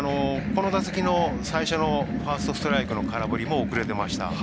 この打席の最初のファーストストライクの空振りも遅れていました。